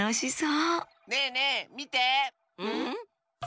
うん？